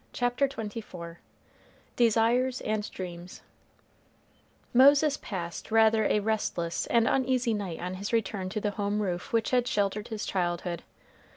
CHAPTER XXIV DESIRES AND DREAMS Moses passed rather a restless and uneasy night on his return to the home roof which had sheltered his childhood.